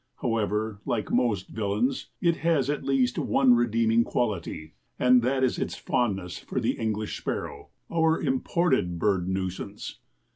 However, like most villains, it has at least one redeeming quality, and that is its fondness for the English sparrow, our imported bird nuisance.